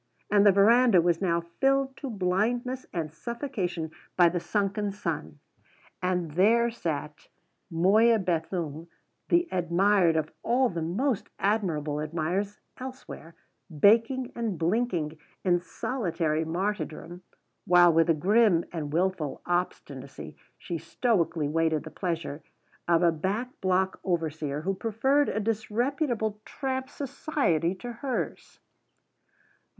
And the verandah was now filled to blindness and suffocation by the sunken sun. And there sat Moya Bethune, the admired of all the most admirable admirers elsewhere, baking and blinking in solitary martyrdom, while, with a grim and wilful obstinacy, she stoically waited the pleasure of a back block overseer who preferred a disreputable tramp's society to hers!